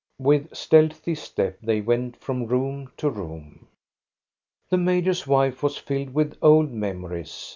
With stealthy step they went from room to room. The major's wife was filled with old memories.